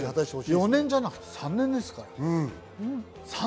４年じゃなくて３年ですから。